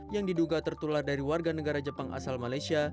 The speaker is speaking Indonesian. yang diduga tertular dari warga negara jepang asal malaysia